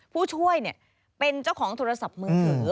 ผู้ช่วยเป็นเจ้าของโทรศัพท์มือถือ